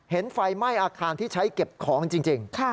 ไฟไหม้อาคารที่ใช้เก็บของจริง